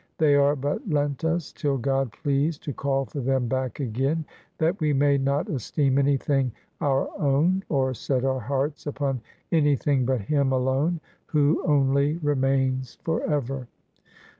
..• They are but lent us till God please to call for them back again, that we may not esteem anything our own, or set our hearts upon anything but Him alone, who only remains forever.